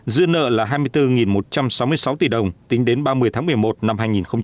dư nợ là hai mươi bốn một trăm sáu mươi sáu tỷ đồng tính đến ba mươi tháng một mươi một năm hai nghìn một mươi chín